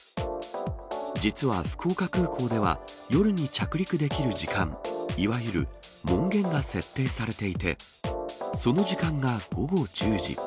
実は福岡空港では、夜に着陸できる時間、いわゆる門限が設定されていて、その時間が午後１０時。